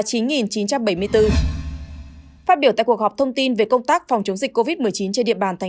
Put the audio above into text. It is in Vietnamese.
phát biểu tại cuộc họp thông tin về công tác phòng chống dịch covid một mươi chín trên địa bàn thành